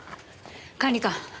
管理官。